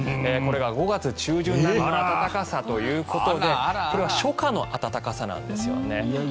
これは５月中旬並みの暖かさということでこれは初夏の暖かさなんですよね。